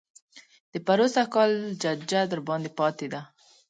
د پروسږ کال ججه درباندې پاتې ده.